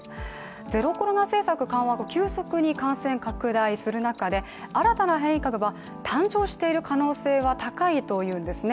ゼロコロナ政策緩和後、急速に感染拡大する中で新たな変異株が誕生している可能性は高いというんですね。